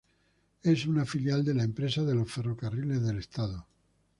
Es una filial de la Empresa de los Ferrocarriles del Estado.